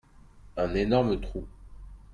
Un énorme trou.